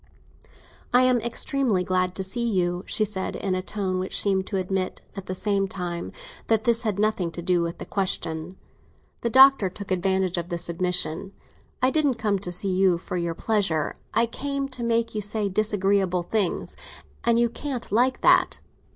"I am extremely glad to see you," she said, in a tone which seemed to admit, at the same time, that this had nothing to do with the question. The Doctor took advantage of this admission. "I didn't come to see you for your pleasure; I came to make you say disagreeable things—and you can't like that.